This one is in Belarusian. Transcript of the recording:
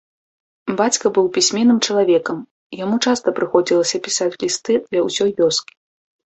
Бацька быў пісьменным чалавекам, яму часта прыходзілася пісаць лісты для ўсёй вёскі.